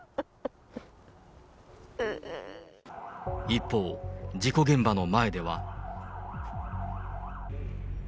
一方、事故現場の前では。